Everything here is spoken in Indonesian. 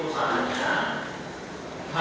terus saya menjawab